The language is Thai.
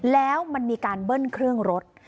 แล้วมันมีการเบิ้ลเครื่องรถ